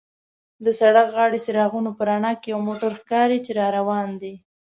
د سړک غاړې څراغونو په رڼا کې یو موټر ښکاري چې را روان دی.